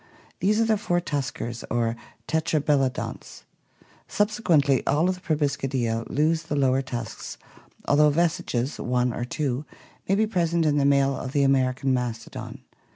These are the four tuskers or tetrabelodonts. Subsequently all of the Proboscidea lose the lower tusks although vestiges, one or two, may be present in the male of the American mastodon.